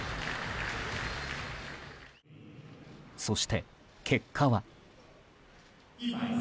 そして結果は。